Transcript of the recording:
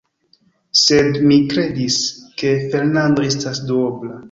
Sed mi kredis, ke Fernando estas duobla.